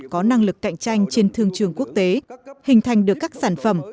có năng lực cạnh tranh trên thương trường quốc tế hình thành được các sản phẩm